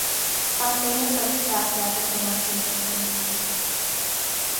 Кастене садыштат ятыр гана шинчылтын улына.